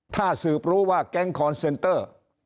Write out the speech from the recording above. ถ้าสืบรู้ว่าแก๊งคอนเซนเตอร์